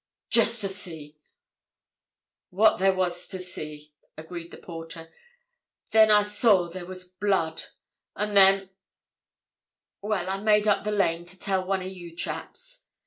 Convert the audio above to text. "Just to see—what there was to see," agreed the porter. "Then I saw there was blood. And then—well, I made up the lane to tell one of you chaps."